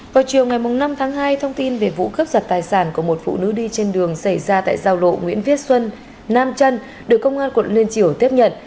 vào chiều ngày năm tháng hai thông tin về vụ cướp giật tài sản của một phụ nữ đi trên đường xảy ra tại giao lộ nguyễn viết xuân nam trân được công an quận liên triều tiếp nhận